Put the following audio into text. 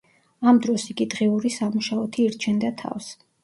ამ დროს იგი დღიური სამუშაოთი ირჩენდა თავს.